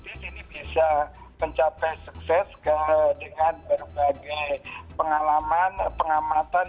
ini bisa mencapai sukses dengan berbagai pengalaman pengamatan